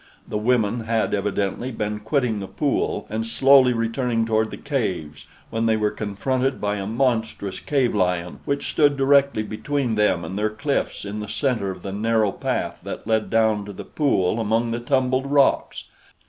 The women had, evidently, been quitting the pool and slowly returning toward the caves, when they were confronted by a monstrous cave lion which stood directly between them and their cliffs in the center of the narrow path that led down to the pool among the tumbled rocks.